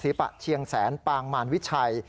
ปะเชียงแสนปางมารวิชัย